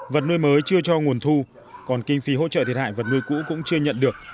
vật nuôi mới chưa cho nguồn thu còn kinh phí hỗ trợ thiệt hại vật nuôi cũ cũng chưa nhận được